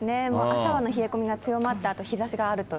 朝晩の冷え込みが強まったあと、日ざしがあると。